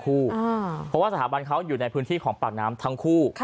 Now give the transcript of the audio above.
เพราะว่าสถาบันเขาอยู่ในพื้นที่ของปากน้ำทั้งคู่